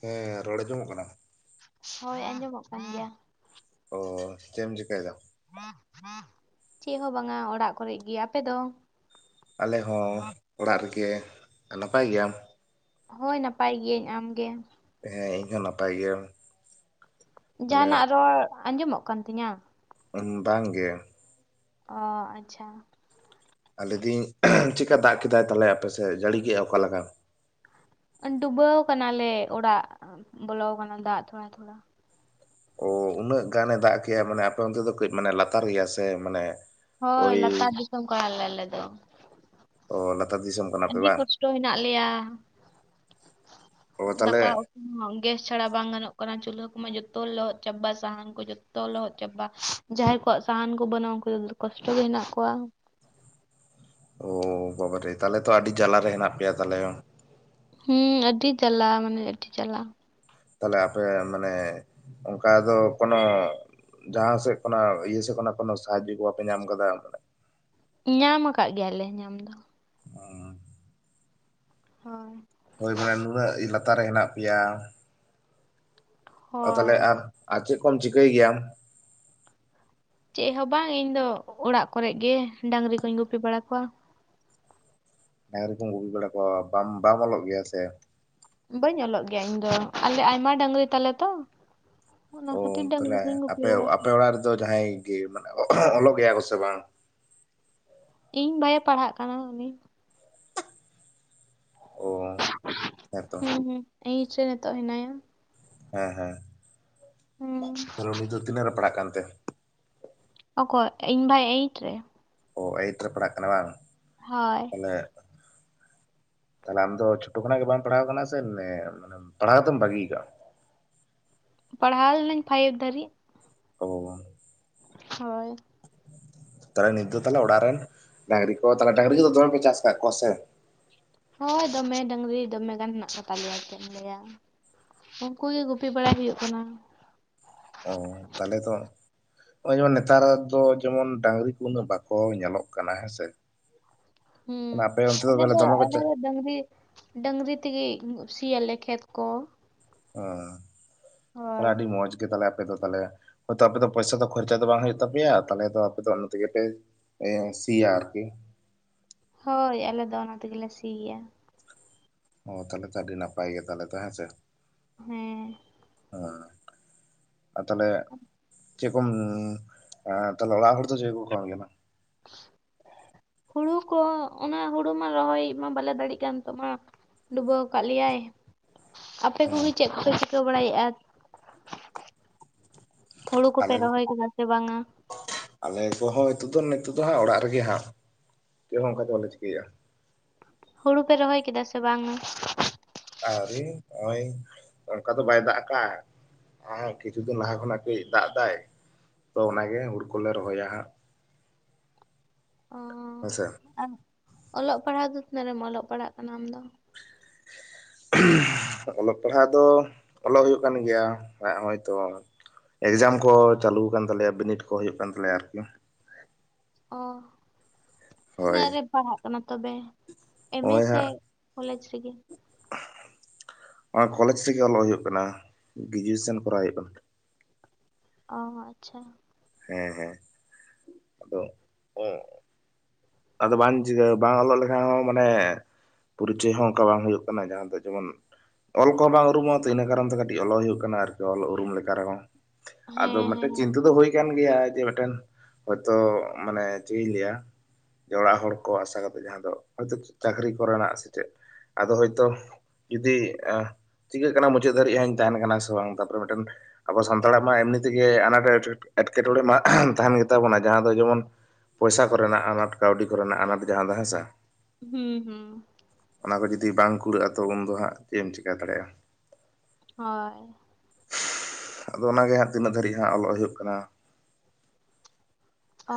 ᱦᱮᱸ ᱨᱚᱲ ᱟᱸᱡᱚᱢᱚᱜ ᱠᱟᱱᱟ? ᱦᱳᱭ ᱟᱸᱡᱚᱢᱚᱜ ᱠᱟᱱ ᱜᱮᱭᱟ ᱾ ᱚ ᱪᱮᱫ ᱮᱢ ᱪᱮᱠᱟᱭ ᱫᱟ? ᱪᱮᱫ ᱦᱚᱸ ᱵᱟᱝᱟ ᱚᱲᱟᱜ ᱠᱚᱨᱮᱜ ᱜᱮ, ᱟᱯᱮ ᱫᱚ? ᱟᱞᱮ ᱦᱚᱸ ᱚᱲᱟᱜ ᱨᱮᱜᱮ, ᱱᱟᱯᱟᱭ ᱜᱮᱭᱟᱢ? ᱦᱳᱭ ᱱᱟᱯᱟᱭ ᱜᱤᱭᱟᱹᱧ, ᱟᱢᱜᱮ? ᱦᱮᱸ ᱤᱧ ᱦᱚᱸ ᱱᱟᱯᱟᱭ ᱜᱮ᱾ ᱛᱟᱦᱞᱮ ᱡᱟᱦᱟᱸᱱᱟᱜ ᱨᱚᱲ ᱟᱸᱡᱚᱢᱚᱜ ᱠᱟᱱ ᱛᱤᱧᱟᱹ? ᱵᱟᱝ ᱜᱮ᱾ ᱚᱻ ᱟᱪᱪᱷᱟ᱾ ᱞᱟᱹᱭ ᱫᱤᱧ ᱪᱮᱠᱟ ᱫᱟᱜ ᱠᱮᱫᱟᱭ ᱛᱟᱞᱦᱮ ᱟᱯᱮ ᱥᱮᱫ ᱡᱟᱹᱲᱤ ᱠᱮᱜ-ᱟᱭ ᱚᱠᱟ ᱞᱮᱠᱟ? ᱰᱩᱵᱟᱹᱣ ᱠᱟᱱᱟ ᱞᱮ ᱚᱲᱟᱜ ᱵᱚᱞᱚᱣ ᱟᱠᱟᱱᱟ ᱫᱟᱜ ᱛᱷᱚᱲᱟ ᱛᱷᱚᱲᱟ᱾ ᱚ ᱩᱱᱟᱹᱜ ᱜᱟᱱᱮ ᱫᱟᱜ ᱠᱮᱜ-ᱟ ᱢᱟᱱᱮ ᱟᱯᱮ ᱚᱱᱛᱮ ᱫᱚ ᱠᱟᱹᱡ ᱢᱟᱱᱮ ᱞᱟᱛᱟᱨ ᱜᱮᱭᱟ ᱥᱮ ᱢᱟᱱᱮ ᱦᱳᱭ ᱳᱭ ᱞᱟᱛᱟᱨ ᱫᱤᱥᱚᱢ ᱠᱟᱱᱟ ᱞᱮ ᱟᱞᱮ ᱫᱚ ᱾ ᱚᱻ ᱞᱟᱛᱟᱨ ᱫᱤᱥᱚᱢ ᱠᱟᱱᱟ ᱯᱮ ᱟᱹᱰᱤ ᱵᱟᱝ ᱠᱚᱥᱴᱚ ᱦᱮᱱᱟᱜ ᱞᱮᱭᱟ ᱾ ᱚ [inaudible] ᱛᱟᱦᱞᱮ ᱫᱟᱠᱟ ᱜᱮᱥ ᱪᱷᱟᱲᱟ ᱵᱟᱝ ᱜᱟᱱᱚᱜ ᱠᱟᱱᱟ, ᱪᱩᱞᱦᱟᱹ ᱠᱚᱢᱟ ᱡᱚᱛᱚ ᱞᱚᱦᱚᱫ ᱪᱟᱵᱟ ᱥᱟᱦᱟᱱ ᱠᱚ ᱡᱚᱛᱚ ᱞᱚᱦᱚᱫ ᱪᱟᱵᱟ᱾ ᱡᱟᱦᱟᱸᱭ ᱠᱚᱣᱟᱜ ᱥᱟᱦᱟᱱ ᱠᱚ ᱵᱟᱹᱱᱩᱜ-ᱟ ᱩᱱᱠᱩ ᱫᱚ ᱠᱚᱥᱴᱚ ᱜᱮ ᱦᱮᱱᱟᱜ ᱠᱚᱣᱟ᱾ ᱚ ᱵᱟᱵᱟᱨᱮ ᱛᱟᱞᱦᱮ ᱛᱚ ᱟᱹᱰᱤ ᱡᱟᱞᱟ ᱨᱮ ᱦᱮᱱᱟᱜ ᱯᱮᱭᱟ ᱛᱟᱞᱦᱮ ᱾ ᱦᱩᱸ ᱟᱹᱰᱤ ᱡᱟᱞᱟ ᱢᱟᱱᱮ ᱟᱹᱰᱤ ᱡᱟᱞᱟ ᱾ ᱛᱟᱦᱞᱮ ᱟᱯᱮ ᱢᱟᱱᱮ ᱚᱝᱠᱟ ᱫᱚ ᱠᱳᱱᱳ ᱡᱟᱦᱟᱸ ᱥᱮᱫ ᱠᱷᱚᱱᱟᱜ ᱤᱭᱟᱹ ᱥᱮᱫ ᱠᱷᱚᱱᱟᱜ ᱠᱳᱱᱳ ᱥᱟᱦᱟᱡᱚ ᱠᱚ ᱵᱟᱯᱮ ᱧᱟᱢ ᱟᱠᱟᱫᱟ ᱚᱝᱠᱟᱱᱟᱜ? ᱧᱟᱢ ᱟᱠᱟᱜ ᱜᱮᱭᱟ ᱞᱮ ᱧᱟᱢ ᱫᱚ ᱾ [unintelligible] ᱦᱚᱭ ᱾ ᱦᱳᱭ ᱢᱟᱱᱮ ᱱᱩᱱᱟᱹᱜ ᱞᱟᱛᱟᱨ ᱨᱮ ᱦᱮᱱᱟᱜ ᱯᱮᱭᱟ ᱚ ᱦᱳᱭ ᱛᱟᱦᱚᱞᱮ ᱟᱨ ᱟᱨ ᱪᱮᱫ ᱠᱚᱢ ᱪᱤᱠᱟᱹᱭ ᱜᱮᱭᱟᱢ? ᱪᱮᱫ ᱦᱚᱸ ᱵᱟᱝ ᱤᱧ ᱫᱚ ᱚᱲᱟᱜ ᱠᱚᱨᱮᱜ ᱜᱮ ᱰᱟᱹᱝᱨᱤ ᱠᱚᱧ ᱜᱩᱯᱤ ᱵᱟᱲᱟ ᱠᱚᱣᱟ᱾ ᱰᱟᱹᱝᱨᱤ ᱠᱚᱢ ᱜᱩᱯᱤ ᱵᱟᱲᱟ ᱠᱚᱣᱟ, ᱵᱟᱢ ᱵᱟᱢ ᱚᱞᱚᱜ ᱜᱮᱭᱟ ᱥᱮ ᱵᱟᱹᱧ ᱚᱞᱚᱜ ᱜᱮᱭᱟ ᱤᱧ ᱫᱚ, ᱟᱞᱮ ᱟᱭᱢᱟ ᱰᱟᱹᱝᱨᱤ ᱛᱟᱞᱮ ᱛᱚ ᱾ ᱚ ᱛᱟᱞᱦᱮ ᱟᱯᱮ ᱵᱟᱲᱟ ᱠᱚᱣᱟ᱾ ᱟᱯᱮ ᱚᱲᱟᱜ ᱨᱮᱫᱚ ᱡᱟᱦᱟᱸᱭ ᱜᱮ ᱢᱟᱱᱮ ᱚᱞᱚᱜ ᱜᱮᱭᱟ ᱠᱚ ᱥᱮ ᱵᱟᱝ? ᱤᱧ ᱵᱟᱷᱭᱮ ᱯᱟᱲᱦᱟᱜ ᱠᱟᱱᱟ ᱩᱱᱤ ᱾ ᱚ ᱦᱮᱸᱛᱚ ᱦᱮᱸ ᱦᱩᱸ ᱮᱸᱭᱤᱴ ᱨᱮ ᱱᱤᱛᱚᱜ ᱦᱮᱱᱟᱭᱟ᱾ ᱦᱮᱸ ᱦᱮᱸ ᱾ ᱦᱩᱸ ᱛᱟᱞᱦᱮ ᱩᱱᱤ ᱫᱚ ᱛᱤᱱᱟᱹᱜ ᱨᱮᱭ ᱯᱟᱲᱟᱜ ᱠᱟᱱ ᱛᱮ? ᱚᱠᱚᱭ? ᱤᱧ ᱵᱷᱟᱭ ᱮᱭᱤᱴ ᱨᱮ ᱾ ᱚ, ᱮᱭᱤᱴ ᱨᱮᱭ ᱯᱟᱲᱟᱜ ᱠᱟᱱᱟ ᱵᱟᱝ? ᱦᱚᱭ ᱾ ᱢᱟᱱᱮ ᱛᱟᱞᱦᱮ ᱟᱢ ᱫᱚ ᱪᱷᱳᱴᱳ ᱠᱷᱚᱱᱟᱜ ᱜᱮ ᱵᱟᱢ ᱯᱟᱲᱦᱟᱣ ᱠᱟᱱᱟ ᱥᱮ ᱮᱸ ᱢᱟᱱᱮ ᱯᱟᱲᱦᱟᱣ ᱫᱚᱢ ᱵᱟᱹᱜᱤᱭ ᱠᱟᱜ-ᱟ? ᱯᱟᱲᱦᱟᱣ ᱞᱤᱱᱟᱹᱧ ᱯᱷᱟᱭᱤᱵ ᱫᱷᱟᱹᱨᱤᱜ ᱾ ᱚᱻ ᱦᱚᱭ ᱾ ᱛᱟᱞᱦᱮ ᱱᱤᱛ ᱫᱚ ᱛᱟᱞᱦᱮ ᱚᱲᱟᱜ ᱨᱮᱱ ᱰᱟᱹᱝᱨᱤ ᱠᱚ ᱛᱮ ᱰᱟᱹᱝᱨᱤ ᱠᱚᱫᱚ ᱫᱚᱢᱮ ᱯᱮ ᱪᱟᱥ ᱠᱟᱜ ᱠᱚᱣᱟ ᱥᱮ? ᱦᱳᱭ ᱫᱚᱢᱮ ᱰᱟᱹᱝᱨᱤ ᱫᱚᱢᱮ ᱜᱟᱱ ᱦᱮᱱᱟᱜ ᱠᱚ ᱛᱟᱞᱮᱭᱟ ᱪᱮᱫ ᱮᱢ ᱞᱟᱹᱭᱟ ᱾ ᱩᱱᱠᱩ ᱜᱮ ᱜᱩᱯᱤ ᱵᱟᱲᱟᱭ ᱦᱩᱭᱩᱜ ᱠᱟᱱᱟ᱾ ᱚ, ᱛᱟᱞᱦᱮ ᱫᱚ ᱱᱚᱜ-ᱚᱭ ᱡᱮᱢᱚᱱ ᱱᱮᱛᱟᱨ ᱫᱚ ᱛᱚ ᱡᱮᱢᱚᱱ ᱰᱟᱹᱝᱨᱤ ᱠᱚ ᱩᱱᱟᱹᱜ ᱵᱟᱠᱚ ᱧᱮᱞᱚᱜ ᱠᱟᱱᱟ ᱦᱮᱸ ᱥᱮ ᱾ ᱦᱩᱸ ᱟᱞᱮ ᱫᱚ ᱫᱚᱢᱮ ᱠᱚ ᱟᱞᱮ ᱪᱟ ᱫᱚ ᱰᱟᱹᱝᱨᱤ ᱰᱟᱹᱝᱨᱤ ᱛᱮᱜᱤ ᱥᱤᱭᱟᱞᱮ ᱠᱷᱮᱛ ᱠᱚ ᱾ ᱚ [inaudible] ᱛᱟᱦᱞᱮ ᱦᱳᱭ ᱟᱰᱤ ᱢᱚᱡᱽ ᱜᱮ ᱛᱟᱦᱚᱞᱮ ᱟᱯ ᱟᱯᱮ ᱫᱚ ᱛᱟᱦᱚᱞᱮ ᱦᱚᱭᱛᱳ ᱟᱯᱮ ᱫᱚ ᱯᱚᱭᱥᱟ ᱫᱚ ᱠᱷᱚᱨᱪᱟ ᱫᱚ ᱵᱟᱝ ᱦᱩᱭᱩᱜ ᱛᱟᱯᱮᱭᱟ, ᱛᱟᱦᱚᱞᱮ ᱫᱚ ᱟᱯᱮ ᱫᱚ ᱚᱱᱟ ᱛᱮᱜᱮ ᱯᱮ ᱮᱸ ᱥᱤᱭᱟ ᱟᱨ ᱠᱤ ᱾ ᱦᱳᱭ ᱟᱞᱮ ᱫᱚ ᱚᱱᱟ ᱛᱮᱜᱮᱞᱮ ᱥᱤᱭᱟ ᱾ ᱚ ᱛᱟᱦᱚᱞᱮ ᱛᱚ ᱟᱹᱰᱤ ᱱᱟᱯᱟᱭ ᱜᱮ ᱛᱟᱦᱚᱞᱮ ᱛᱚ ᱦᱮᱸᱥᱮ ᱾ ᱦᱮᱸ ᱾ ᱚ ᱟᱨ ᱛᱟᱦᱚᱞᱮ ᱪᱮᱠᱚᱢ ᱮᱸ ᱛᱟᱦᱚᱞᱮ ᱚᱲᱟᱜ ᱦᱚᱲ ᱫᱚ ᱪᱮᱫ ᱠᱚ ᱠᱟᱹᱢᱤ ᱠᱟᱱᱟ? [inaudible] ᱦᱩᱲᱩ ᱠᱚ ᱚᱱᱟ ᱦᱩᱲᱩ ᱢᱟ ᱨᱚᱦᱚᱭ ᱢᱟ ᱵᱟᱞᱮ ᱫᱟᱲᱮᱜ ᱠᱟᱱ ᱱᱤᱛᱚᱜ ᱢᱟ ᱰᱩᱵᱟᱣ ᱟᱠᱟᱜ ᱞᱮᱭᱟᱭ ᱾ ᱟᱯᱮ ᱦᱮᱸ ᱠᱚᱜᱮ ᱪᱮᱫ ᱠᱚᱯᱮ ᱪᱤᱠᱟᱹ ᱵᱟᱲᱟᱭᱮᱜᱼᱟ? ᱦᱩᱲᱩ ᱠᱚᱯᱮ ᱟᱞᱮ ᱨᱚᱦᱚᱭ ᱠᱮᱫᱟ ᱥᱮ ᱵᱟᱝᱟ? ᱟᱞᱮ ᱠᱚᱦᱚᱸ ᱱᱤᱛᱚᱜ ᱫᱚ ᱱᱤᱛᱚᱜ ᱫᱚ ᱦᱟᱸᱜ ᱚᱲᱟᱜ ᱨᱮᱜᱮ ᱦᱟᱸᱜ ᱪᱮᱫ ᱦᱚᱸ ᱚᱱᱠᱟ ᱫᱚ ᱵᱟᱞᱮ ᱪᱤᱠᱟᱹᱭᱮᱜᱼᱟ᱾ ᱦᱩᱲᱩ ᱯᱮ ᱨᱚᱦᱚᱭ ᱠᱮᱫᱟ ᱥᱮ ᱵᱟᱝ? ᱟᱹᱣᱨᱤ ᱱᱚᱜᱼᱚᱭ ᱚᱱᱠᱟ ᱫᱚ ᱵᱟᱭ ᱫᱟᱜ ᱟᱠᱟᱜᱼᱟ ᱦᱮᱸ ᱠᱤᱪᱷᱩ ᱫᱤᱱ ᱞᱟᱦᱟ ᱠᱷᱚᱱᱟᱜ ᱠᱟᱹᱡ ᱫᱟᱜ ᱮᱫᱟᱭ ᱛᱚ ᱚᱱᱟᱜᱮ ᱦᱩᱲᱩ ᱠᱚᱞᱮ ᱨᱚᱦᱚᱭᱟ ᱦᱟᱸᱜ ᱾ ᱚ ᱦᱮᱸᱥᱮ ᱟᱨ ᱚᱞᱚᱜ ᱯᱟᱲᱦᱟᱣ ᱫᱚ ᱛᱤᱱᱟᱹᱜ ᱨᱮᱢ ᱚᱞᱚᱜ ᱯᱟᱲᱦᱟᱜ ᱠᱟᱱᱟ ᱟᱢᱫᱚ? ᱚᱞᱚᱜ ᱯᱟᱲᱦᱟᱣ ᱫᱚ ᱚᱞᱚᱜ ᱦᱩᱭᱩᱜ ᱠᱟᱱ ᱜᱮᱭᱟ ᱮ ᱦᱚᱜᱚᱭ ᱛᱚ ᱮᱠᱡᱟᱢ ᱠᱚ ᱪᱟᱹᱞᱩ ᱟᱠᱟᱱ ᱛᱟᱞᱮᱭᱟ, ᱵᱤᱱᱤᱰ ᱠᱚ ᱦᱩᱭᱩᱜ ᱠᱟᱱ ᱛᱟᱞᱮᱭᱟ ᱟᱨᱠᱤ ᱾ ᱚ ᱦᱳᱭ ᱛᱤᱱᱟᱹᱜ ᱨᱮᱢ ᱯᱟᱲᱦᱟᱜ ᱠᱟᱱᱟ ᱛᱚᱵᱮ ᱮᱢ ᱮ ᱥᱮ ᱠᱚᱞᱮᱡᱽ ᱨᱮᱜᱮ? ᱱᱚᱜ-ᱚᱭ ᱠᱚᱞᱮᱡᱽ ᱥᱮᱜᱮ ᱚᱞᱚᱜ ᱦᱩᱭᱩᱜ ᱠᱟᱱᱟ, ᱜᱨᱮᱡᱩᱭᱮᱥᱚᱱ ᱠᱚᱨᱟᱣ ᱦᱩᱭᱩᱜ ᱠᱟᱱᱟ ᱾ ᱚᱦᱚ ᱟᱪᱪᱷᱟ ᱾ ᱦᱮᱸ ᱦᱮᱸ ᱟᱫᱚ ᱚᱸ ᱟᱫᱚ ᱵᱟᱝ ᱪᱤᱠᱟᱹ ᱵᱟᱝ ᱚᱞᱚᱜ ᱞᱮᱠᱷᱟᱱ ᱦᱚᱸ ᱢᱟᱱᱮ ᱯᱚᱨᱤᱪᱚᱭ ᱦᱚᱸ ᱚᱱᱠᱟ ᱵᱟᱝ ᱦᱩᱭᱩᱜ ᱠᱟᱱᱟ ᱡᱟᱦᱟᱸ ᱫᱚ ᱡᱮᱢᱚᱱ ᱚᱞ ᱠᱚᱦᱚᱸ ᱵᱟᱝ ᱩᱨᱩᱢᱚᱜ-ᱟ ᱛᱚ ᱤᱱᱟᱹ ᱠᱟᱨᱚᱱ ᱛᱮ ᱠᱟᱹᱴᱤᱡ ᱚᱞᱚᱜ ᱦᱩᱭᱩᱜ ᱠᱟᱱᱟ ᱟᱨᱠᱤ ᱚᱞ ᱩᱨᱩᱢ ᱞᱮᱠᱟ ᱨᱮᱦᱚᱸ ᱾ ᱟᱫᱚ ᱦᱮᱸ ᱢᱤᱫᱴᱮᱡ ᱦᱮᱸ ᱪᱤᱱᱛᱟᱹ ᱫᱚ ᱦᱩᱭ ᱠᱟᱱ ᱜᱮᱭᱟ ᱡᱮ ᱢᱤᱫᱴᱮᱱ ᱦᱚᱭᱛᱳ ᱢᱟᱱᱮ ᱪᱮᱫ ᱤᱧ ᱞᱟᱹᱭᱟ ᱚᱲᱟᱜ ᱦᱚᱲ ᱠᱚ ᱟᱥᱟ ᱠᱟᱛᱮ ᱡᱟᱦᱟᱸ ᱫᱚ ᱦᱚᱭᱛᱳ ᱪᱟᱹᱠᱨᱤ ᱠᱚᱨᱮᱱᱟᱜ ᱥᱮᱪᱮᱫ ᱟᱫᱚ ᱦᱚᱭ ᱛᱚ ᱡᱩᱫᱤ ᱮ ᱪᱤᱠᱟᱹᱜ ᱠᱟᱱᱟ ᱢᱩᱪᱟᱹᱫ ᱫᱷᱟᱹᱨᱤᱡ ᱦᱟᱜ ᱤᱧ ᱛᱟᱦᱮᱱ ᱠᱟᱱᱟ ᱥᱮ ᱵᱟᱝ ᱛᱟᱨᱯᱚᱨᱮ ᱢᱤᱫᱴᱮᱱ ᱟᱵᱚ ᱥᱟᱱᱛᱟᱲᱟᱜ ᱢᱟ ᱮᱢᱱᱤ ᱛᱮᱜᱮ ᱟᱱᱟᱴ ᱮᱸᱴᱠᱮᱴᱚᱬᱮ ᱢᱟ ᱛᱟᱦᱮᱱ ᱜᱮᱛᱟ ᱵᱚᱱᱟ ᱡᱟᱦᱟᱸ ᱫᱚ ᱡᱮᱢᱚᱱ ᱯᱚᱭᱥᱟ ᱠᱚᱨᱮᱱᱟᱜ ᱟᱱᱟᱴ ᱠᱟᱹᱣᱰᱤ ᱠᱚᱨᱮᱱᱟᱜ ᱟᱱᱟᱴ ᱡᱟᱦᱟᱸ ᱫᱚ ᱦᱮᱸᱥᱟ ᱾ ᱦᱢ ᱦᱢ ᱾ ᱚᱱᱟ ᱠᱚ ᱡᱩᱫᱤ ᱵᱟᱝ ᱠᱩᱲᱟᱹᱜᱼᱟ ᱛᱚ ᱩᱱᱫᱚ ᱦᱟᱸᱜ ᱪᱮᱫ ᱮᱢ ᱪᱮᱟᱹ ᱫᱟᱲᱮᱭᱟᱜᱼᱟ ᱾ ᱦᱳᱭ ᱾ ᱟᱫᱚ ᱚᱱᱟ ᱜᱮ ᱦᱟᱸᱜ ᱛᱤᱱᱟᱹᱜ ᱫᱷᱟᱹᱨᱤᱡ ᱦᱟᱸᱜ ᱚᱞᱚᱜ ᱦᱩᱭᱩᱜ ᱠᱟᱱᱟ ᱾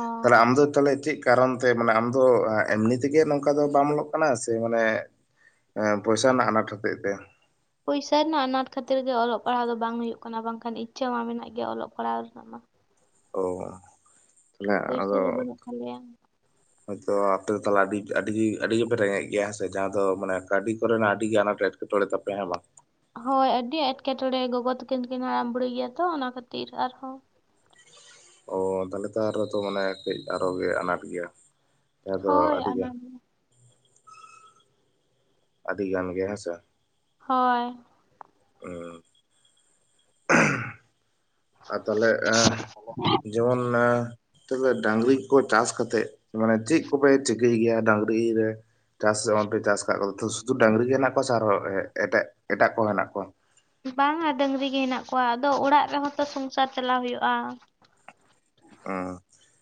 ᱚ ᱛᱟᱦᱚᱞᱮ ᱟᱢ ᱫᱚ ᱛᱟᱦᱚᱞᱮ ᱪᱮᱫ ᱠᱟᱨᱚᱱ ᱛᱮ ᱢᱟᱱᱮ ᱟᱢ ᱫᱚ ᱮᱢᱱᱤ ᱛᱮᱜᱮ ᱱᱚᱝᱠᱟ ᱫᱚ ᱵᱟᱢ ᱚᱞᱚᱜ ᱠᱟᱱᱟ ᱥᱮ ᱢᱟᱱᱮ ᱮᱸ ᱯᱚᱭᱥᱟ ᱨᱮᱱᱟᱜ ᱟᱱᱟᱴ ᱦᱚᱛᱮᱡ ᱛᱮ? ᱯᱚᱭᱥᱟ ᱨᱮᱱᱟᱜ ᱟᱱᱟᱴ ᱠᱷᱟᱹᱛᱤᱨ ᱜᱮ ᱚᱞᱚᱜ ᱯᱟᱲᱦᱟᱣ ᱫᱚ ᱵᱟᱝ ᱦᱩᱭᱩᱜ ᱠᱟᱱᱟ ᱵᱟᱝᱠᱷᱟᱱ ᱤᱪᱪᱷᱟᱹ ᱢᱟ ᱢᱮᱱᱟᱜ ᱜᱮᱭᱟ ᱚᱞᱚᱜ ᱯᱟᱲᱦᱟᱣ ᱨᱮᱱᱟᱜ ᱢᱟ ᱾ ᱚ ᱯᱚᱭᱥᱟ ᱜᱮ ᱛᱟᱦᱚᱞᱮ ᱵᱟᱹᱱᱩᱜ ᱛᱟᱞᱮᱭᱟ ᱟᱫᱚ ᱦᱚᱭ ᱛᱚ ᱟᱯᱮ ᱫᱚ ᱛᱟᱦᱚᱞᱮ ᱟᱹᱰᱤ ᱟᱹᱰᱤ ᱟᱹᱰᱤ ᱜᱮᱯᱮ ᱨᱮᱸᱜᱮᱡ ᱜᱮᱭᱟ ᱦᱮᱸᱥᱮ ᱡᱟᱦᱟᱸ ᱫᱚ ᱢᱟᱱᱮ ᱠᱟᱹᱰᱤ ᱠᱚᱨᱮᱱᱟᱜ ᱟᱹᱰᱤ ᱜᱮ ᱟᱱᱟᱴ ᱮᱴ ᱴᱚᱲᱮ ᱛᱟᱯᱮ ᱦᱮᱸ ᱵᱟᱝ? ᱦᱳᱭ ᱟᱹᱰᱤ ᱮᱴᱠᱮᱴᱚᱬᱮ ᱜᱚᱜᱚ ᱛᱟᱹᱠᱤᱱ ᱠᱤᱱ ᱦᱟᱲᱟᱢ ᱵᱩᱲᱤ ᱜᱮᱭᱟ ᱛᱚ ᱚᱱᱟ ᱠᱷᱟᱹᱛᱤᱨ ᱟᱨᱦᱚᱸ ᱾ ᱚ ᱛᱟᱦᱚᱞᱮ ᱛᱚ ᱟᱨ ᱛᱚ ᱢᱟᱱᱮ ᱠᱟᱹᱡ ᱟᱨᱚ ᱜᱮ ᱟᱱᱟᱴ ᱜᱮᱭᱟ ᱾ ᱦᱳᱭ ᱟᱱᱟᱴ ᱜᱮ ᱾ ᱟᱹᱰᱤᱜᱟᱱ ᱜᱮ ᱦᱮᱸᱥᱮ ᱾ ᱦᱳᱭ ᱾ [unintelligible] ᱟᱨ ᱛᱟᱦᱚᱞᱮ ᱮᱸ ᱡᱮᱢᱚᱱ ᱛᱟᱦᱚᱞᱮ ᱰᱟᱝᱨᱤ ᱠᱚ ᱪᱟᱥ ᱠᱟᱛᱮᱫ ᱢᱟᱱᱮ ᱪᱮᱫ ᱠᱚᱯᱮ ᱪᱤᱠᱟᱹᱭ ᱜᱮᱭᱟ ᱰᱟᱝᱨᱤ ᱨᱮ? ᱪᱟᱥ [unintelligible] ᱯᱮ ᱪᱟᱥ ᱟᱠᱟᱫ ᱠᱚᱣᱟ ᱥᱩᱫᱷᱩ ᱰᱟᱹᱝᱨᱤ ᱜᱮ ᱦᱮᱱᱟᱜ ᱠᱚᱣᱟ ᱥᱮ ᱟᱨᱦᱚᱸ ᱮᱴᱟᱜ-ᱮᱴᱟᱜ ᱠᱚ ᱦᱮᱱᱟᱜ ᱠᱚᱣᱟ? ᱵᱟᱝᱟ ᱰᱟᱹᱝᱨᱤ ᱜᱮ ᱦᱮᱱᱟᱜ ᱠᱚᱣᱟ ᱟᱫᱚ ᱚᱲᱟᱜ ᱨᱮᱦᱚᱸ ᱛᱚ ᱥᱚᱝᱥᱟᱨ ᱪᱟᱞᱟᱣ ᱦᱩᱭᱩᱜᱼᱟ᱾ ᱮᱸᱻ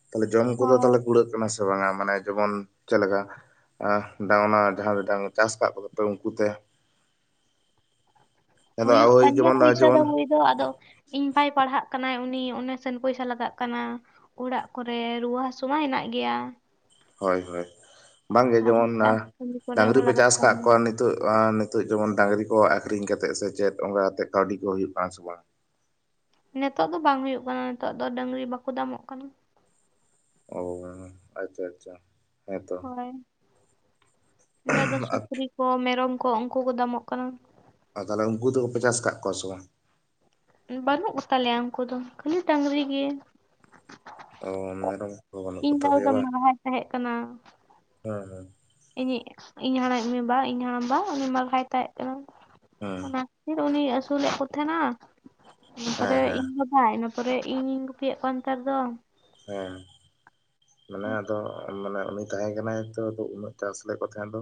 ᱛᱟᱦᱞᱮ ᱡᱚᱢ ᱠᱚᱫᱚ ᱦᱳᱭ ᱛᱟᱦᱞᱮ ᱠᱩᱲᱟᱹᱜ ᱠᱟᱱᱟ ᱥᱮ ᱵᱟᱝᱟ? ᱢᱟᱱᱮ ᱡᱮᱢᱚᱱ ᱪᱮ ᱞᱮᱠᱟ [unintelligible] ᱚᱱᱟ ᱡᱟᱦᱟᱸ ᱰᱟᱝ ᱪᱟᱥ ᱠᱟᱜ ᱠᱚᱫᱚ ᱯᱮ ᱩᱱᱠᱩ ᱛᱮ? ᱟᱫᱚ ᱦᱩᱭᱩᱜ ᱳᱭ ᱠᱟᱱ ᱜᱮᱭᱟ ᱡᱮᱢᱚᱱ ᱯᱚᱭᱥᱟ ᱫᱚ ᱡᱮᱢᱚᱱ ᱫᱚ ᱟᱫᱚ ᱤᱧ ᱵᱟᱭ ᱯᱟᱲᱦᱟᱜ ᱠᱟᱱᱟᱭ ᱩᱱᱤ ᱚᱱᱮ ᱥᱮᱱ ᱯᱚᱭᱥᱟ ᱞᱟᱜᱟᱜ ᱠᱟᱱᱟ᱾ ᱚᱲᱟᱜ ᱠᱚᱨᱮ ᱨᱩᱣᱟᱹ ᱦᱟᱹᱥᱩ ᱢᱟ ᱦᱮᱱᱟᱜ ᱜᱮᱭᱟ᱾ ᱦᱳᱭ ᱦᱳᱭ ᱵᱟᱝ ᱜᱮ ᱟᱨ ᱡᱮᱢᱚᱱ ᱪᱟᱥ ᱠᱟᱹᱢᱤ ᱠᱚᱨᱮ ᱰᱟᱝᱨᱤ ᱦᱚᱸ ᱯᱮ ᱞᱟᱜᱟᱜ ᱪᱟᱥ ᱠᱟᱱ ᱟᱠᱟᱫ ᱜᱮᱭᱟ ᱠᱚᱣᱟ ᱱᱤᱛᱚᱜ- ᱱᱤᱛᱚᱜ ᱡᱮᱢᱚᱱ ᱰᱟᱝᱨᱤ ᱠᱚ ᱟᱠᱷᱨᱤᱧ ᱠᱟᱛᱮᱜ ᱥᱮ ᱪᱮᱫ ᱚᱱᱠᱟ ᱠᱟᱛᱮᱜ ᱠᱟᱹᱣᱰᱤ ᱠᱚ ᱦᱩᱭᱩᱜ ᱠᱟᱱᱟ ᱥᱮ ᱵᱟᱝ? ᱱᱤᱛᱚᱜ ᱫᱚ ᱵᱟᱝ ᱦᱩᱭᱩᱜ ᱠᱟᱱᱟ ᱱᱤᱛᱚᱜ ᱫᱚ ᱰᱟᱹᱝᱨᱤ ᱵᱟᱠᱚ ᱫᱟᱢᱚᱜ ᱠᱟᱱᱟ᱾ ᱚ ᱟᱪᱪᱷᱟ, ᱟᱪᱪᱷᱟ ᱦᱮᱸᱛᱚ᱾ ᱤᱱᱟᱹ ᱫᱚ ᱥᱩᱠᱨᱤ ᱠᱚ ᱢᱮᱨᱚᱢ ᱠᱚ ᱩᱱᱠᱩ ᱠᱚ ᱫᱟᱢᱚᱜ ᱠᱟᱱᱟ᱾ ᱛᱟᱦᱚᱞᱮ ᱩᱱᱠᱩ ᱫᱚ ᱯᱮ ᱪᱟᱥ ᱟᱠᱟᱫ ᱠᱚᱣᱟ ᱥᱮ ᱵᱟᱝ? ᱵᱟᱹᱱᱩᱜ ᱠᱚᱛᱟ ᱞᱮᱭᱟ ᱩᱱᱠᱩ ᱫᱚ ᱠᱷᱟᱹᱞᱤ ᱰᱟᱹᱝᱨᱤ ᱜᱮ᱾ ᱚ ᱢᱮᱨᱚᱢ ᱠᱚ ᱵᱟᱹᱱᱩᱜ ᱤᱧ ᱵᱷᱟᱭ ᱠᱚᱛᱟᱯᱮᱭᱟ ᱫᱚ ᱵᱟᱝ ᱢᱟᱨᱟᱦᱟᱭ ᱛᱟᱦᱮᱸᱠᱟᱱᱟ᱾ ᱦᱮᱸ, ᱦᱮᱸ᱾ ᱤᱧᱤᱡ ᱤᱧ [unintelligible] ᱢᱮ ᱵᱟ ᱤᱧ ᱦᱟᱲᱟᱢ ᱵᱟ ᱩᱱᱤ ᱵᱟ ᱵᱟᱭ ᱛᱟᱦᱮᱸᱫ ᱠᱟᱱᱟ ᱦᱮᱸ ᱾ᱚᱱᱟ ᱯᱷᱤᱨ ᱩᱱᱤ ᱟᱹᱥᱩᱞᱮᱫ ᱠᱚ ᱛᱟᱦᱮᱱᱟ ᱤᱱᱟ ᱦᱮᱸ ᱯᱚᱨᱮ ᱦᱮᱸ ᱤᱧ ᱦᱮᱸ ᱤᱱᱟᱹ ᱯᱚᱨᱮ ᱤᱧ-ᱤᱧ ᱜᱩᱯᱤᱭᱮᱫ ᱠᱚᱣᱟ ᱱᱮᱛᱟᱨ ᱫᱚ᱾ ᱦᱮᱸ, ᱢᱟᱱᱮ ᱟᱫᱚ ᱢᱟᱱᱮ ᱩᱱᱤ ᱛᱟᱦᱮᱸ ᱠᱟᱱᱟᱭ ᱛᱚ ᱩᱱᱟᱹᱜ ᱪᱟᱥ ᱞᱮᱫ ᱠᱚ ᱛᱟᱦᱮᱸᱫ ᱫᱚ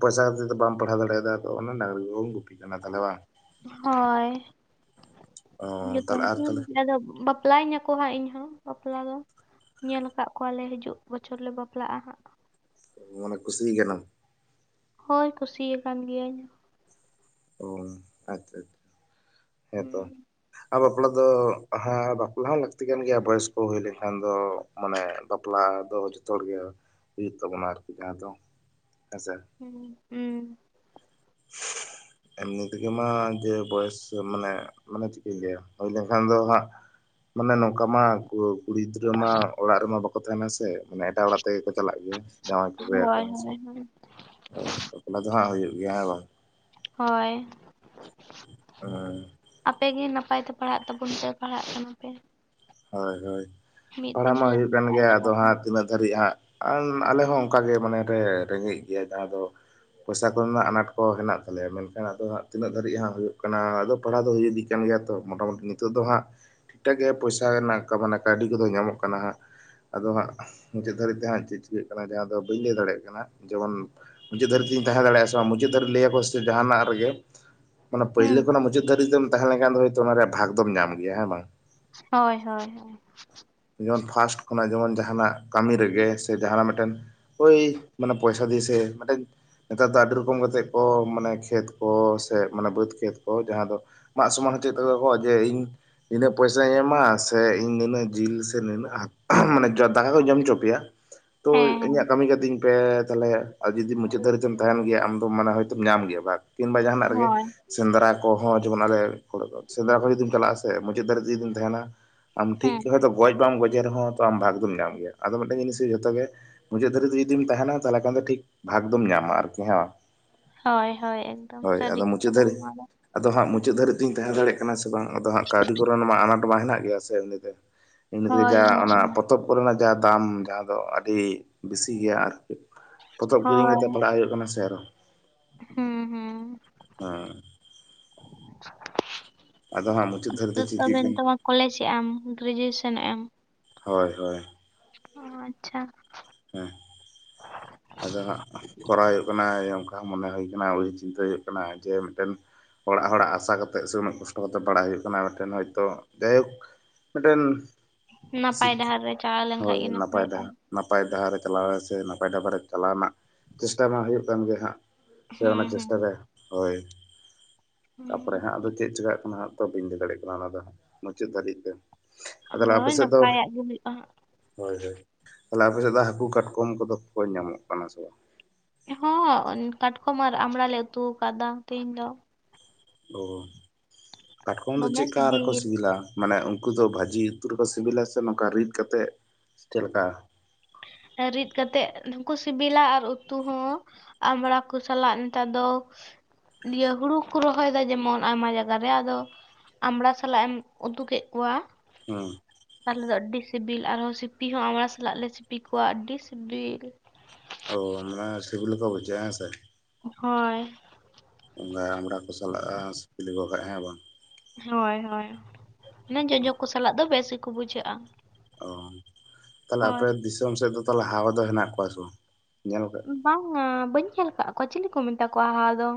ᱯᱚᱭᱥᱟ [unintelligible] ᱫᱚ ᱵᱟᱢ ᱯᱟᱲᱦᱟᱣ ᱫᱟᱲᱮᱭᱟᱫᱟ ᱛᱚ ᱚᱱᱟ ᱰᱟᱝᱨᱤ ᱠᱚᱜᱮᱢ ᱜᱩᱯᱤ ᱠᱟᱱᱟ ᱛᱟᱦᱞᱮ ᱵᱟ᱾ ᱦᱳᱭ ᱚ ᱡᱚᱛᱚ ᱛᱟᱦᱚᱞᱮ ᱟᱨ ᱛᱟᱦᱚᱞᱮ ᱫᱚ ᱵᱟᱯᱞᱟᱧᱟ ᱠᱚ ᱦᱟᱸᱜ ᱤᱧ ᱦᱚᱸ ᱵᱟᱯᱞᱟ ᱫᱚ ᱧᱮᱞ ᱟᱠᱟᱫ ᱠᱚᱣᱟ ᱞᱮ ᱦᱤᱡᱩᱜ ᱵᱚᱪᱷᱚᱨ ᱞᱮ ᱵᱟᱯᱞᱟᱜᱼᱟ ᱦᱟᱸᱜ᱾ ᱢᱟᱱᱮ ᱠᱩᱥᱤ ᱠᱟᱱᱟᱢ? ᱦᱳᱭ ᱠᱩᱥᱤᱭᱟ ᱟᱠᱟᱱ ᱜᱤᱭᱟᱹᱧ᱾ ᱚ ᱟᱪᱪᱷᱟ, ᱟᱪᱪᱷᱟ ᱦᱮᱸᱛᱚ᱾ ᱦᱩᱸ ᱟᱨ ᱵᱟᱯᱞᱟ ᱫᱚ ᱦᱮ ᱵᱟᱯᱞᱟ ᱦᱚᱸ ᱞᱟᱹᱠᱛᱤ ᱠᱟᱱ ᱜᱮᱭᱟ ᱵᱚᱭᱚᱥ ᱠᱚ ᱦᱩᱭ ᱞᱮᱱᱠᱷᱟᱱ ᱫᱚ᱾ ᱢᱟᱱᱮ ᱵᱟᱯᱞᱟ ᱫᱚ ᱡᱚᱛᱚ ᱦᱚᱲ ᱜᱮ ᱦᱩᱭᱩᱜ ᱛᱟᱵᱚᱱᱟ ᱟᱨᱠᱤ ᱡᱟᱦᱟᱸ ᱫᱚ ᱦᱮᱸ ᱥᱮ᱾ ᱦᱮᱸ, ᱦᱩᱸ᱾ [inaudible] ᱮᱢᱱᱤ ᱛᱮᱜᱮ ᱢᱟ ᱡᱮ ᱵᱚᱭᱮᱥ ᱢᱟᱱᱮ ᱢᱟᱱᱮ ᱪᱮᱫ ᱟᱹᱧ ᱞᱟᱹᱭᱟ ᱦᱩᱭ ᱞᱮᱱᱠᱷᱟᱱ ᱫᱚ ᱦᱟᱸᱜ ᱢᱟᱱᱮ ᱱᱚᱝᱠᱟ ᱢᱟ ᱠᱩᱲᱤ ᱜᱤᱫᱽᱨᱟᱹ ᱢᱟ ᱚᱲᱟᱜ ᱨᱮᱢᱟ ᱵᱟᱠᱚ ᱛᱟᱦᱮᱱᱟ ᱥᱮ ᱢᱟᱱᱮ ᱮᱴᱟᱜ ᱚᱲᱟᱜ ᱛᱮᱜᱮ ᱠᱚ ᱪᱟᱞᱟᱜ ᱜᱮᱭᱟ ᱡᱟᱶᱟᱭ ᱠᱚᱜᱟᱹᱭᱟᱠᱚᱣᱟ ᱦᱮᱸ ᱥᱮ᱾ ᱦᱮᱸ᱾ ᱦᱳᱭ ᱵᱟᱯᱞᱟ ᱫᱚ ᱦᱟᱸᱜ ᱦᱩᱭᱩᱜ ᱜᱮᱭᱟᱸ ᱵᱟᱝ᱾ ᱦᱳᱭ᱾ ᱟᱯᱮ ᱜᱮ ᱱᱟᱯᱟᱭ ᱛᱮ ᱯᱟᱲᱦᱟᱜ ᱛᱟᱵᱚᱱ ᱯᱮ ᱯᱟᱲᱦᱟᱜ ᱠᱟᱱᱟ ᱯᱮ᱾ ᱦᱳᱭ ᱦᱳᱭ ᱢᱤᱫ ᱯᱟᱲᱦᱟᱣ ᱫᱤᱱ ᱢᱟ ᱦᱤᱞᱳᱜ ᱦᱩᱭᱩᱜ ᱠᱟᱱ ᱱᱟᱯᱟᱭ ᱜᱮᱭᱟ ᱟᱫᱚ ᱞᱟᱦᱟᱛᱮ ᱦᱟᱸᱜ ᱛᱤᱱᱟᱹᱜ ᱫᱷᱟᱹᱨᱤᱡ ᱦᱟᱸᱜ᱾ ᱟᱨ ᱟᱞᱮ ᱦᱚᱸ ᱚᱱᱠᱟ ᱜᱮ ᱢᱟᱱᱮ ᱞᱮ ᱨᱮᱸᱜᱮᱮᱡ ᱜᱮᱭᱟ ᱡᱟᱦᱟᱸ ᱫᱚ ᱯᱚᱭᱥᱟ ᱠᱚᱨᱮᱱᱟᱜ ᱟᱱᱟᱴ ᱠᱚ ᱦᱮᱱᱟᱜ ᱛᱟᱞᱮᱭᱟ ᱢᱮᱱᱠᱷᱟᱱ ᱟᱫᱚᱜ ᱛᱤᱱᱟᱹᱜ ᱫᱟᱹᱨᱤᱡ ᱦᱟᱸ ᱦᱩᱭᱩᱜ ᱠᱟᱱᱟ ᱟᱫᱚ ᱯᱟᱲᱦᱟᱣ ᱫᱚ ᱦᱩᱭ ᱤᱫᱤ ᱠᱟᱱ ᱜᱮᱭᱟ ᱛᱚ ᱢᱳᱴᱟ-ᱢᱩᱴᱤ ᱱᱤᱛᱚᱜ ᱫᱚ ᱦᱟᱸᱜ ᱴᱷᱤᱠ ᱴᱷᱟᱠ ᱜᱮ ᱯᱚᱭᱥᱟ ᱨᱮᱱᱟᱜ ᱢᱟᱱᱮ ᱠᱟᱹᱣᱰᱤ ᱠᱚᱫᱚ ᱧᱟᱢᱚᱜ ᱠᱟᱱᱟ ᱦᱟᱸᱜ᱾ ᱟᱫᱚ ᱦᱟᱸᱜ ᱢᱩᱪᱟᱹᱫ ᱫᱷᱟᱹᱨᱤᱡ ᱛᱮ ᱦᱟᱸᱜ ᱪᱮᱫ ᱪᱤᱠᱟᱹᱜ ᱠᱟᱱᱟ ᱡᱟᱦᱟᱸ ᱫᱚ ᱵᱟᱹᱧ ᱞᱟᱹᱭ ᱫᱟᱲᱮᱭᱟᱜ ᱠᱟᱱᱟ᱾ ᱡᱮᱢᱚᱱ ᱢᱩᱪᱟᱹᱫ ᱫᱷᱟᱹᱨᱤᱡ ᱛᱧ ᱛᱟᱦᱮᱸ ᱫᱟᱲᱮᱭᱟᱜᱼᱟ ᱥᱮ ᱵᱟᱝ ᱢᱩᱪᱟᱹᱫ ᱫᱷᱟᱹᱨᱤᱡ ᱞᱟᱹᱭᱟᱠᱚ ᱥᱮ ᱡᱟᱦᱟᱱᱟᱜ ᱨᱮᱜᱮ ᱢᱟᱱᱮ ᱯᱭᱞ ᱦᱩᱸ ᱠᱷᱚᱱᱟᱜ ᱢᱩᱪᱟᱹᱫ ᱫᱷᱟᱹᱨᱤᱡ ᱛᱮᱢ ᱛᱟᱦᱮᱸ ᱞᱮᱱᱠᱷᱟᱱ ᱫᱚ ᱚᱱᱟ ᱨᱮᱭᱟᱜ ᱵᱷᱟᱜᱽ ᱫᱚᱢ ᱧᱟᱢ ᱜᱮᱭᱟ᱾ ᱦᱮᱸ ᱵᱟᱝ? ᱦᱳᱭ, ᱦᱳᱭ, ᱦᱳᱭ, ᱡᱮᱢᱚᱱ ᱯᱷᱟᱥᱴ ᱠᱷᱚᱱᱟᱜ ᱡᱮᱢᱚᱱ ᱡᱟᱦᱟᱱᱟᱜ ᱠᱟᱹᱢᱤ ᱨᱮᱜᱮ ᱥᱮ ᱡᱟᱦᱟᱱᱟᱜ ᱢᱤᱫᱴᱮᱱ ᱦᱳᱭ ᱢᱟᱱᱮ ᱯᱚᱭᱥᱟ ᱫᱤᱥᱟᱹ ᱥᱮ ᱢᱟᱱ ᱱᱮᱛᱟᱨ ᱫᱚ ᱟᱹᱰᱤ ᱨᱚᱠᱚᱢ ᱠᱟ ᱠᱟᱛᱮᱜ ᱠᱚ ᱢᱟᱱᱮ ᱠᱷᱮᱛ ᱠᱚ ᱥᱮ ᱢᱟᱱᱮ ᱵᱟᱹᱫᱽ ᱠᱷᱮᱛ ᱠᱚ ᱡᱟᱦᱟᱸ ᱫᱚ ᱢᱟᱜ ᱥᱢᱟᱱ ᱦᱚᱪᱚᱭᱮᱫ ᱛᱟᱠᱚᱣᱟᱠᱚ, ᱡᱮ ᱤᱧ ᱱᱤᱱᱟᱹᱜ ᱯᱚᱭᱥᱟᱧ ᱮᱢᱟ ᱥᱮ ᱤᱧ ᱱᱤᱱᱟᱹᱜ ᱡᱤᱞ ᱥᱮ ᱱᱤᱱᱟᱹᱜ ᱦᱟᱠ ᱢᱟᱱᱮ ᱫᱟᱠᱟ ᱠᱚᱧ ᱡᱚᱢᱪᱚ ᱯᱮᱭᱟ, ᱛᱚ ᱦᱮᱸ ᱦᱮᱸ ᱤᱧᱟᱹᱜ ᱠᱟᱹᱢᱤ ᱠᱟᱛᱤᱧ ᱯᱮ ᱛᱟᱦᱚᱞᱮ ᱟᱨ ᱡᱩᱫᱤ ᱢᱩᱪᱟᱹᱫ ᱫᱷᱟᱹᱨᱤᱡ ᱛᱮᱢ ᱛᱟᱦᱮᱱ ᱜᱮᱭᱟ ᱟᱢᱫᱚᱡ ᱢᱟᱱᱮᱢ ᱧᱟᱢ ᱜᱮᱭᱟ ᱵᱷᱟᱜ᱾ ᱠᱤᱢᱵᱟ ᱡᱟᱸᱦᱟᱱᱟᱜ ᱨᱮᱜᱮ, ᱦᱳᱭ ᱥᱮᱸᱫᱽᱨᱟ ᱠᱚᱦᱚᱸ ᱡᱮᱢᱚᱱ ᱟᱞᱮ ᱥᱮᱸᱫᱽᱨᱟ ᱠᱷᱚᱱ ᱡᱩᱫᱤᱢ ᱪᱟᱞᱟᱜᱼᱟ ᱥᱮ ᱢᱩᱪᱟᱹᱫ ᱫᱷᱟᱹᱨᱤᱡ ᱛᱮ ᱡᱩᱫᱤᱢ ᱛᱟᱦᱮᱸᱱᱟ ᱟᱢ ᱦᱮᱸ ᱴᱷᱤᱠ ᱦᱚᱭᱛᱳ ᱜᱚᱡ ᱵᱟᱢ ᱜᱚᱡᱮ ᱨᱮᱦᱚᱸ ᱛᱚ ᱟᱢ ᱵᱷᱟᱜᱽ ᱫᱚᱢ ᱧᱟᱢ ᱜᱮᱭᱟ᱾ ᱟᱫᱚ ᱢᱤᱫᱴᱮᱱ ᱡᱤᱱᱤᱥ ᱜᱮ ᱡᱷᱚᱛᱚ ᱜᱮ ᱢᱩᱪᱟᱹᱫ ᱫᱷᱟᱹᱨᱤᱡ ᱛᱮ ᱡᱩᱫᱤᱢ ᱛᱟᱦᱮᱱᱟ ᱛᱟᱦᱚᱞᱮ ᱠᱷᱟᱱ ᱫᱚ ᱴᱷᱤᱠ ᱵᱷᱟᱜᱽ ᱫᱚᱢ ᱧᱟᱢᱟ ᱟᱨᱠᱤ ᱦᱮᱸ᱾ ᱦᱳᱭ, ᱦᱳᱭ, ᱮᱠᱫᱚᱢ ᱦᱳᱭ ᱥᱟᱹᱨᱤ ᱟᱫᱚ ᱠᱟᱛᱷᱟ ᱢᱩᱪᱟᱹᱫ ᱠᱟᱱᱟ ᱫᱷᱟᱹᱨᱤᱡ ᱱᱚᱣᱟ ᱫᱚ᱾ ᱟᱫᱚ ᱦᱟᱸᱜ ᱢᱩᱪᱟᱹᱫ ᱫᱷᱟᱹᱨᱤᱡ ᱛᱧ ᱛᱟᱦᱮᱸ ᱫᱟᱲᱮᱭᱟᱜ ᱠᱟᱱᱟ ᱥᱮ ᱵᱟᱝ ᱟᱫᱚ ᱦᱟᱸᱜ ᱠᱟᱹᱣᱰᱤ ᱠᱚᱨᱱ ᱢᱟ ᱟᱱᱟᱴ ᱢᱟ ᱦᱮᱱᱟᱜ ᱜᱮᱭᱟ ᱥᱮ ᱮᱢᱱᱤ ᱛᱮ᱾ ᱤᱱᱟᱹᱮ ᱦᱳᱭ ᱡᱟ ᱦᱮᱱᱟᱜ ᱚᱱᱟ ᱜᱮᱭᱟ ᱯᱚᱛᱚᱵ ᱠᱚᱨᱮᱱᱟᱜ ᱡᱟᱦᱟᱸ ᱫᱟᱢ ᱡᱟᱦᱟᱸ ᱫᱚ ᱟᱹᱰᱤ ᱵᱮᱥᱤ ᱜᱮᱭᱟ ᱟᱨᱠᱤ᱾ ᱯᱚᱛᱚᱵ ᱠᱤᱨᱤᱧ ᱦᱳᱭ ᱠᱟᱛᱮ ᱯᱟᱲᱦᱟᱜ ᱦᱩᱭᱩᱜ ᱠᱟᱱᱟ ᱥᱮ ᱟᱨᱚ᱾ ᱦᱩᱸ, ᱦᱩᱸ, ᱦᱮᱸ ᱟᱫᱚ ᱦᱟᱸ [unintelligible] ᱱᱤᱛᱚᱜ ᱢᱟ ᱠᱚᱞᱮᱡ ᱮᱜ ᱟᱢ ᱜᱨᱮᱡᱩᱭᱮᱥᱚᱱᱮᱜ-ᱟᱢ? ᱦᱳᱭ, ᱦᱳᱭ, ᱚ ᱟᱪᱪᱷᱟ, ᱦᱮᱸ, ᱟᱫᱚ ᱦᱟᱸᱜ ᱠᱚᱨᱟᱣ ᱦᱩᱭᱩᱜ ᱠᱟᱱᱟ ᱤᱟᱹ ᱚᱱᱠᱟ ᱢᱚᱱᱮ ᱦᱩᱭ ᱠᱟᱱᱟ ᱩᱤᱦᱟᱹᱨ ᱪᱤᱱᱛᱟᱹ ᱦᱩᱭᱩᱜ ᱠᱟᱱᱟ, ᱡᱮ ᱢᱮᱫᱴᱮᱱ ᱚᱲᱟᱜ ᱦᱚᱲᱟᱜ ᱟᱥᱟ ᱠᱟᱛᱮᱜ ᱥᱮ ᱩᱱᱟᱹᱜ ᱠᱚᱥᱴᱚ ᱠᱟᱛᱮ ᱵᱟᱲᱟᱭ ᱦᱩᱭᱩᱜ ᱠᱟᱱᱟ ᱢᱤᱫᱴᱮᱱ ᱦᱚᱭᱛᱳ ᱡᱟᱭᱦᱳᱠ᱾ ᱢᱤᱫᱴᱮᱱ ᱱᱟᱯᱟᱭ ᱥᱤᱠ ᱰᱟᱦᱟᱨ ᱨᱮ ᱪᱟᱞᱟᱣ ᱞᱮᱱᱠᱷᱟᱡ ᱦᱳᱭ ᱜᱮ ᱱᱟᱯᱟᱭ ᱰᱟ ᱱᱟᱯᱟᱭᱚᱜᱼᱟ ᱱᱟᱯᱟᱭ ᱰᱟᱦᱟᱨᱮ ᱪᱟᱞᱟᱣ ᱥᱮ ᱱᱟᱯᱟᱭ ᱰᱟᱵᱟᱨᱮ ᱪᱟᱞᱟᱣ ᱨᱮᱱᱟᱜ ᱪᱮᱥᱴᱟ ᱢᱟ ᱦᱩᱭᱩᱜ ᱠᱟᱱ ᱜᱮᱭᱟ ᱦᱟᱸᱜ᱾ ᱥᱮ ᱚᱱᱟ ᱦᱩᱸ ᱦᱩᱸ ᱪᱮᱥᱴᱟ ᱨᱮ, ᱦᱳᱭ, ᱦᱩᱸ ᱛᱟᱯᱚᱨᱮ ᱦᱟᱸᱜ ᱟᱫᱚ ᱪᱮᱫ ᱪᱮᱤᱠᱟᱜ ᱠᱟᱱᱟ ᱦᱟᱸᱜ ᱛᱚ ᱵᱟᱹᱧ ᱞᱟᱹᱭ ᱫᱟᱲᱮᱭᱟᱜ ᱠᱟᱱᱟ ᱚᱱᱟ ᱫᱚ ᱦᱟᱸᱜ ᱢᱩᱪᱟᱹᱫ ᱫᱷᱟᱹᱟᱹᱨᱤᱡ ᱛᱮ᱾ ᱛᱟᱦᱚᱞᱮ ᱟᱯᱮ ᱦᱳᱭ ᱥᱮᱫ ᱫᱚ? ᱱᱟᱯᱟᱭᱟᱜ ᱜᱮ ᱦᱩᱭᱩᱜᱼᱟ ᱦᱳᱭ, ᱦᱳᱭ, ᱛᱟᱦᱚᱞᱮ ᱟᱯᱮᱮᱥᱮᱫ ᱫᱚ ᱦᱟᱹᱠᱩ ᱠᱟᱴᱠᱚᱢ ᱠᱚᱫᱚ ᱠᱚ ᱧᱟᱢᱚᱜ ᱠᱟᱱᱟ ᱥᱮ ᱵᱟᱝ? ᱦᱚᱸ, ᱠᱟᱴᱠᱚᱢ ᱟᱨ ᱟᱢᱲᱟ ᱞᱮ ᱩᱛᱩ ᱟᱠᱟᱫᱟ ᱛᱮᱦᱮᱧ ᱫᱚ᱾ ᱚ, ᱠᱟᱴᱠᱚᱢ ᱫᱚ ᱫᱚᱢᱮ ᱪᱮᱫᱠᱟ ᱨᱮᱠᱚ ᱥᱤᱵᱤᱞ ᱥᱤᱵᱤᱞᱟ? ᱢᱟᱱᱮ ᱩᱱᱠᱩ ᱫᱚ ᱵᱷᱟᱹᱡᱤ ᱩᱛᱩ ᱨᱮᱠᱚ ᱥᱤᱵᱤᱞᱟ ᱥᱮ ᱱᱚᱝᱠᱟ ᱨᱤᱫ ᱠᱟᱛᱮ ᱪᱮᱫ ᱞᱮᱠᱟ? ᱨᱤᱫ ᱠᱟᱛᱮᱜ ᱦᱚᱸᱠᱚ ᱥᱤᱵᱤᱞᱟ, ᱟᱨ ᱩᱛᱩ ᱦᱚᱸ ᱟᱢᱲᱟ ᱠᱚ ᱥᱟᱞᱟᱜ ᱱᱮᱛᱟᱨ ᱫᱚ ᱤᱭᱟᱹ ᱦᱩᱲᱩ ᱠᱚ ᱨᱚᱦᱚᱭ ᱫᱟ ᱡᱮᱢᱚᱱ ᱟᱭᱢᱟ ᱡᱟᱭᱜᱟ ᱨᱮ ᱟᱫᱚ ᱟᱢᱲᱟ ᱥᱟᱞᱟᱜ ᱮᱢ ᱩᱛᱩᱠᱮᱫ ᱠᱚᱣᱟ, ᱦᱩᱸ, ᱛᱟᱦᱞᱮ ᱫᱚ ᱟᱹᱰᱤ ᱥᱤᱵᱤᱞ ᱟᱨᱦᱚᱸ ᱥᱤᱯᱤ ᱦᱚᱸ ᱟᱢᱲᱟ ᱥᱟᱞᱟᱜ ᱞᱮ ᱥᱤᱯᱤ ᱠᱚᱣᱟ ᱟᱹᱰᱤ ᱥᱤᱵᱤᱞ᱾ ᱚ ᱢᱟᱱᱮ ᱥᱤᱵᱤᱞ ᱦᱚᱸᱠᱚ ᱵᱩᱡᱷᱟᱹᱜᱼᱟ ᱦᱮᱸ ᱥᱮ? ᱦᱳᱭ, ᱚᱱᱜᱟ ᱟᱢᱲᱟ ᱠᱚ ᱥᱟᱞᱟᱜᱼᱟ ᱥᱤᱯᱤ ᱞᱮᱠᱚ ᱠᱷᱟᱱ ᱦᱮᱸ ᱵᱟᱝ? ᱦᱳᱭ, ᱦᱳᱭ, ᱢᱮ ᱡᱚᱡᱚ ᱠᱚ ᱥᱟᱞᱟᱜ ᱫᱚ ᱵᱮᱥ ᱜᱮᱠᱚ ᱵᱩᱡᱷᱟᱹᱜᱼᱟ᱾ ᱚ ᱛᱟᱦᱞᱮ ᱦᱳᱭ ᱟᱯᱮ ᱫᱤᱥᱚᱢ ᱥᱮᱫ ᱫᱚ ᱛᱟᱦᱚᱞᱮ ᱦᱟᱣ ᱫᱚ ᱦᱮᱱᱟᱜ ᱠᱚᱣᱟ ᱥᱮ ᱵᱟᱝ? ᱧᱮᱞ ᱵᱟᱝᱟ ᱵᱟᱹᱧ ᱧᱮᱞ ᱟᱠᱟᱫ ᱠᱚᱣᱟ ᱪᱤᱞᱤ ᱠᱚ ᱢᱮᱛᱟ ᱠᱚᱣᱟ ᱦᱟᱣ ᱫᱚ,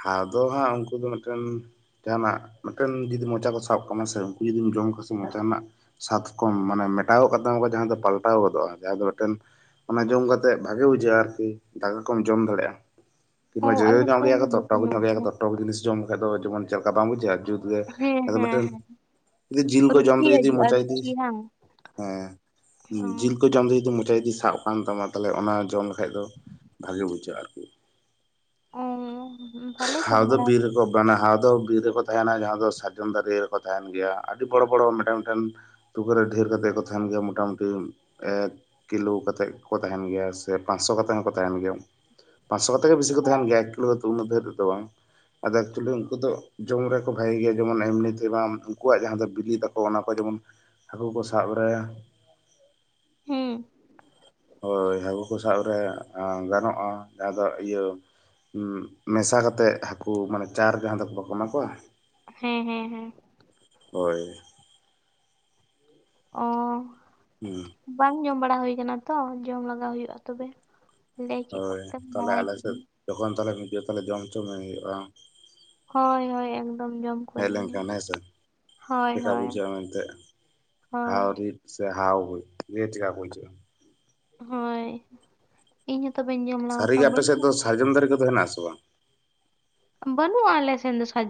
ᱦᱟᱣ ᱫᱚ ᱦᱟᱸᱜ ᱩᱱᱠᱩ ᱫᱚ ᱢᱤᱫᱴᱮᱱ ᱡᱟᱦᱟᱱᱟᱜ ᱢᱤᱫᱴᱮᱱ ᱡᱩᱫᱤ ᱢᱚᱪᱟ ᱠᱚ ᱥᱟᱵ ᱠᱟᱱᱟ ᱥᱮ ᱩᱱᱠᱩ ᱡᱩᱫᱤᱢ ᱡᱚᱢ ᱠᱷᱟ ᱥᱮ ᱢᱚᱪᱟ ᱨᱮᱱᱟᱜ ᱥᱟᱛᱠᱚᱢ ᱢᱟᱱᱮ ᱢᱮᱴᱟᱣ ᱜᱚᱫᱽ ᱛᱟᱢᱟᱠᱚ ᱡᱟᱦᱟᱸ ᱫᱚ ᱯᱟᱞᱴᱟᱣ ᱜᱚᱫᱚᱜᱼᱟ ᱡᱟᱦᱟᱸ ᱫᱚ ᱢᱤᱫᱴᱮᱱ ᱚᱱᱟ ᱡᱚᱢ ᱠᱟᱛᱮᱫ ᱵᱷᱟᱜᱮ ᱵᱩᱡᱷᱟᱹᱜᱼᱟ ᱟᱨᱠᱤ ᱫᱟᱠᱟ ᱠᱚᱢ ᱡᱚᱢ ᱫᱟᱲᱮᱭᱟᱜᱼᱟ᱾ ᱚ ᱡᱚᱡᱚ ᱟᱞᱮ ᱧᱚᱜ ᱥᱮᱱ ᱜᱮᱭᱟ ᱫᱚ ᱠᱚᱛᱚ ᱵᱟᱠᱚ ᱴᱚᱠ ᱧᱚᱜ ᱧᱟᱢᱚᱜ ᱜᱮᱭᱟ ᱠᱚᱛᱚ ᱴᱚᱠ ᱡᱤᱱᱤᱥ ᱡᱚᱢ ᱠᱷᱟᱡ ᱫᱚ ᱡᱮᱢᱚᱱ ᱪᱮᱫ ᱞᱮᱠᱟ ᱵᱟᱝ ᱵᱩᱡᱷᱟᱜ-ᱟ᱾ ᱡᱩᱛᱜᱮ ᱦᱮᱸ ᱟᱫᱚ ᱦᱮᱸ ᱢᱤᱫᱴᱮᱱ ᱦᱮᱸ ᱡᱤᱞ ᱠᱚ ᱨᱩᱪᱤ ᱡᱚᱢᱛᱮ ᱡᱚᱫᱤ ᱦᱤᱡᱩᱜᱼᱟ ᱢᱚᱪᱟ ᱡᱩᱫᱤ ᱨᱩᱪᱤ ᱵᱟᱝ ᱦᱮᱸ ᱚ ᱡᱤᱞ ᱠᱚ ᱡᱚᱢ ᱠᱚ ᱛᱮ ᱡᱩᱫᱤ ᱢᱚᱪᱟ ᱡᱩᱫᱤ ᱥᱟᱵ ᱠᱟᱱ ᱛᱟᱢᱟ ᱛᱟᱦᱚᱞᱮ ᱚᱱᱟ ᱡᱚᱢ ᱞᱮᱠᱷᱟᱡ ᱫᱚ ᱵᱷᱟᱜᱮ ᱵᱩᱡᱷᱟᱹᱜᱼᱟ ᱟᱨᱠᱤ᱾ ᱚ, ᱵᱷᱟᱞᱮ ᱡᱚᱢ ᱟᱫᱚ ᱵᱟᱲᱟ ᱵᱤᱨ ᱨᱮᱫᱚ, ᱢᱟᱱᱮ ᱦᱟᱣ ᱫᱚ ᱵᱤᱨ ᱨᱮᱠᱚ ᱛᱟᱦᱮᱸᱱᱟ ᱡᱟᱦᱟᱸ ᱫᱚ ᱥᱟᱨᱡᱚᱢ ᱫᱟᱨᱮ ᱨᱮᱠᱚ ᱛᱟᱦᱮᱱ ᱜᱮᱭᱟ ᱟᱹᱰᱤ ᱵᱚᱲᱚ ᱵᱚᱲᱚ ᱢᱤᱫᱴᱮᱱ ᱢᱤᱫᱴᱮᱱ ᱛᱩᱠᱟᱹᱨ ᱨᱮ ᱰᱷᱮᱨ ᱠᱟᱛᱮᱫ ᱜᱮᱠᱚ ᱛᱟᱦᱮᱱ ᱜᱮᱭᱟ ᱢᱚᱴᱟᱢᱩᱴᱤ ᱮᱫ ᱠᱤᱞᱳ ᱠᱟᱛᱮᱜ ᱠᱚ ᱛᱟᱦᱮᱱ ᱜᱮᱭᱟ ᱥᱮ ᱯᱟᱸᱥᱥᱚ ᱠᱟᱛᱮᱜ ᱦᱚᱸᱠᱚ ᱛᱟᱦᱮᱱ ᱜᱮᱭᱟ ᱾ ᱯᱟᱸᱥᱚ ᱠᱟᱛᱮᱜ ᱜᱮ ᱵᱮᱥᱤ ᱠᱚ ᱛᱟᱦᱮᱱ ᱟᱠᱟᱫᱟ ᱜᱮᱭᱟ ᱮᱠᱤᱞᱳ ᱫᱚ ᱛᱩ ᱩᱱᱟᱹᱜ ᱫᱷᱟᱹᱨᱤᱡ ᱫᱚ ᱵᱟᱝ᱾ ᱟᱫᱚ ᱮᱠᱪᱩᱞᱤ ᱩᱱᱠᱩ ᱫᱚ ᱡᱚᱢ ᱨᱮᱠᱚ ᱵᱷᱟᱜᱮ ᱜᱮᱭᱟ ᱡᱮᱢᱚᱱ ᱮᱢᱱᱤ ᱛᱮ ᱵᱟᱢ ᱩᱱᱠᱩᱣᱟᱜ ᱡᱟᱦᱟᱸ ᱫᱚ ᱵᱤᱞᱤ ᱛᱟᱠᱚ ᱚᱱᱟ ᱠᱚ ᱡᱮᱢᱚᱱ, ᱦᱟᱹᱠᱳ ᱠᱚ ᱥᱟᱵ ᱨᱮ ᱦᱮᱸ ᱦᱳᱭ ᱦᱟᱹᱠᱳ ᱠᱚ ᱥᱟᱵ ᱨᱮ ᱮ ᱜᱟᱱᱚᱜᱼᱟ ᱡᱟᱦᱟᱸ ᱫᱚ ᱤᱭᱟᱹ ᱩᱜ, ᱢᱮᱥᱟ ᱠᱟᱛᱮᱜ ᱦᱟᱹᱠᱩ ᱢᱟᱱᱮ ᱪᱟᱨ ᱡᱟᱦᱟᱸ ᱫᱚᱠᱚ ᱵᱟᱠᱚ ᱮᱢᱟ ᱠᱚᱣᱟ ᱾ ᱦᱮᱸ ᱦᱮᱸ ᱦᱮᱸ᱾ ᱦᱳᱭ᱾ ᱚ, ᱦᱩᱸ, ᱵᱟᱝ ᱡᱚᱢ ᱵᱟᱲᱟ ᱦᱳᱭ ᱠᱟᱱᱟ ᱛᱚ ᱡᱚᱢ ᱞᱟᱜᱟᱣ ᱦᱩᱭᱩᱜᱼᱟ ᱛᱚᱵᱮ᱾ ᱞᱟᱹᱭ ᱠᱮᱜ ᱦᱳᱭ ᱛᱮ ᱛᱮ ᱮᱢ ᱛᱟᱦᱚᱞᱮ ᱵᱟᱲᱟᱭ ᱟᱞᱮ ᱥᱮᱫ ᱠᱮᱜᱧ᱾ ᱡᱚᱠᱷᱚᱱ ᱛᱟᱦᱞᱮ ᱱᱤᱡᱮ ᱦᱚ ᱛᱟᱦᱞᱮ ᱡᱚᱢ ᱦᱚᱪᱚ ᱢᱮ ᱦᱩᱭᱩᱜᱼᱟ ᱾ ᱦᱳᱭ ᱦᱳᱭ ᱮᱠᱫᱚᱢ ᱡᱚᱢ ᱦᱮᱡ ᱠᱚᱣᱟᱹᱧ ᱤᱧᱦᱚᱸ ᱞᱮᱱᱠᱷᱟᱱ ᱦᱮᱸᱥᱮ ᱦᱳᱭ ᱪᱮᱠᱟ ᱦᱳᱭ ᱵᱩᱡᱷᱟᱹᱜᱼᱟ ᱢᱮᱱᱛᱮ᱾ ᱦᱳᱭ ᱦᱟᱣ ᱨᱤᱫ ᱥᱮ ᱦᱟᱣ ᱤᱭᱟᱹ ᱪᱮᱠᱟ ᱠᱚ ᱵᱩᱡᱷᱟᱹᱜ-ᱟ ᱾ ᱦᱳᱭ᱾ ᱤᱧ ᱦᱚᱸ ᱛᱚᱵᱮᱤᱧ ᱡᱚᱢ ᱞᱟᱜᱟ ᱥᱟᱹᱨᱤᱜᱮ ᱠᱚᱣᱟ ᱟᱯᱮ ᱵᱟᱹᱧ ᱥᱮᱫ ᱫᱚ ᱥᱟᱨᱡᱚᱢ ᱫᱟᱨᱮ ᱠᱚᱫᱚ ᱦᱮᱱᱟᱜ ᱟᱥ ᱥᱮ ᱵᱟᱝ? ᱵᱟᱹᱱᱩᱜ ᱟᱞᱮ ᱥᱮᱱ ᱫᱚ ᱥᱟᱨᱡ